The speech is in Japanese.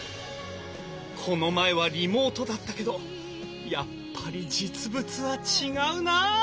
この前はリモートだったけどやっぱり実物は違うなぁ。